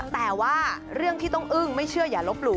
แต่ว่าเรื่องที่ต้องอึ้งไม่เชื่ออย่าลบหลู